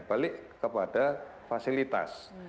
balik kepada fasilitas